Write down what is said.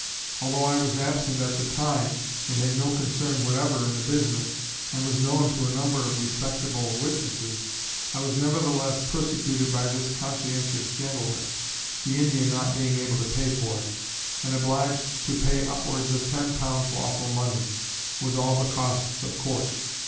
Although I was absent at the time, and had no concern whatever in the business, and was known to a number of respectable witnesses, I was nevertheless persecuted by this conscientious gentleman, (the Indian not being able to pay for it) and obliged to pay upwards of ten pounds lawful money, with all the costs of court.